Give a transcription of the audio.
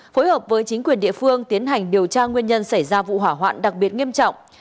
phối hợp với chính quyền địa phương tiến hành điều tra nguyên nhân xảy ra vụ hỏa hoạn đặc biệt nghiêm trọng